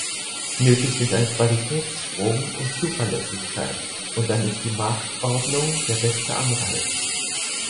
Nötig sind ein Qualitätssprung und Zuverlässigkeit, und dann ist die Marktordnung der beste Anreiz.